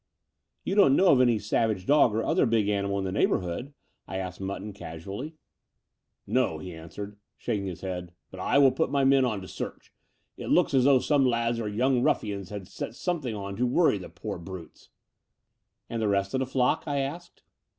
"You don't know of any savage dog or other big animal in the neighbourhood?" I asked Mutton casually. I70 The Door of the Unreal *'No," he answered, shaking his head; "but I will put my men on to search. It looks as though some lads or young rufSans had set son^ething on to worry the poor brutes." "And the rest of the flock?" I asked.